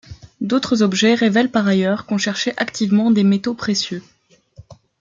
D'autres objets révèlent par ailleurs qu'on cherchait activement des métaux précieux.